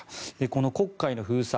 この黒海の封鎖